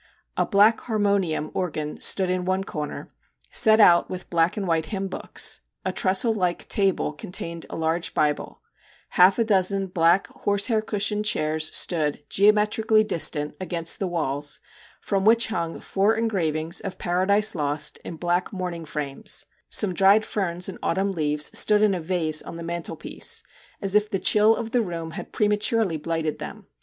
A black harmonium organ stood in one corner, set out with black and white hymn books ; a trestle like table contained a large Bible ; half a dozen black, horsehair cushioned chairs stood, geometri cally distant, against the walls, from which hung four engravings of Paradise Lost in black mourning frames ; some dried ferns and autumn leaves stood in a vase on the mantel 6 MR. JACK HAMLIN'S MEDIATION piece, as if the chill of the room had pre maturely blighted them.